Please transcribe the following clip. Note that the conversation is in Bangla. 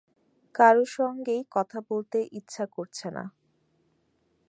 কারও সঙ্গেই কথা বলতে ইচ্ছা করছে না।